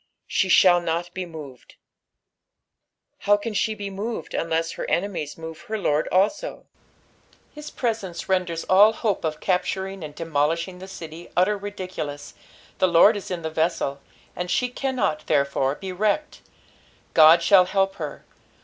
"She ihaU not be moved." How can she be moved unless her enemies move her Lord also ? ffis presence renders all hope of capturing and demolishing 3S3 EXFOSITtONS OF THE PSALHB. the city utterly lidiculoue The Lord is ia the vessel, and she cannot, there fore, be wrecked. "Ood »haU help her."